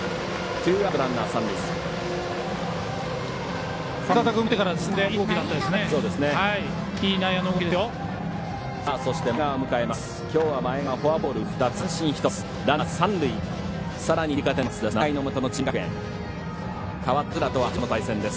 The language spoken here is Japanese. ツーアウト、ランナー、三塁です。